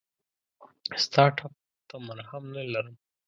ستا ټپ ته مرهم نه لرم !